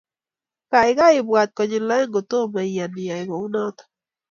Kaikai ipwat konyil aeng kotomo iyan iyai kounoto